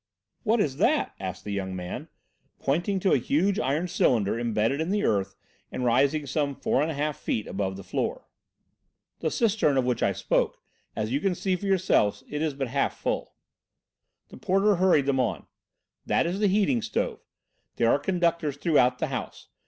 "What is that?" asked the young man, pointing to a huge iron cylinder embedded in the earth and rising some four and a half feet above the floor. "The cistern of which I spoke, as you can see for yourselves, it is all but full." The porter hurried them on. "That is the heating stove. There are conductors throughout the house.